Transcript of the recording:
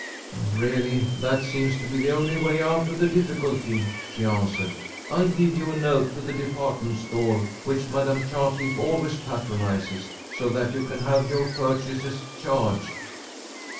"Really that seems to be the only way out of the difficulty," she answered. "I'll give you a note to the department store which Madam Chartley always patronizes, so that you can have your purchases charged."